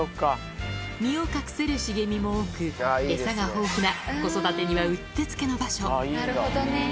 身を隠せる茂みも多く、餌が豊富な子育てにはうってつけの場所。